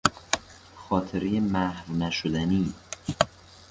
خاطرهی محو نشدنی